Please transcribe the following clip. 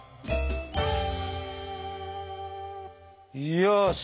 よし。